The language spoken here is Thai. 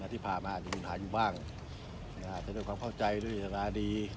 ที่พามาอาจจะหาอยู่บ้างจะได้ความเข้าใจด้วยอินทรัพย์ดี